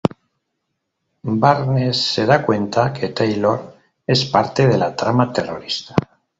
Barnes se da cuenta que Taylor es parte de la trama terrorista.